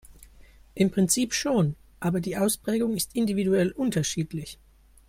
Im Prinzip schon, aber die Ausprägung ist individuell unterschiedlich.